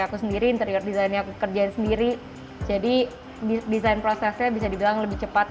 aku sendiri interior desainnya aku kerjain sendiri jadi desain prosesnya bisa dibilang lebih cepat